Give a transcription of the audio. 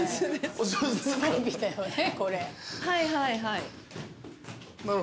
はいはいはい。